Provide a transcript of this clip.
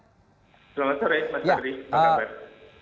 selamat sore mas febri apa kabar